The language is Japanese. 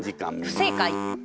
不正解。